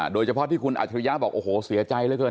โดยเฉพาะที่คุณอัจฉริยะบอกโอ้โหเสียใจเหลือเกิน